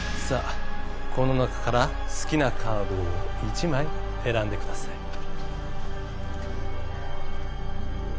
さあこの中から好きなカードを一枚選んでください。